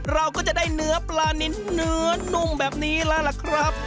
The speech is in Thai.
เราก็จะได้เนื้อปลานินเนื้อนุ่มแบบนี้แล้วล่ะครับ